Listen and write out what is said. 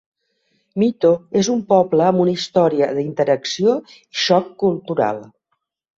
Mito és un poble amb una història d'interacció i xoc cultural.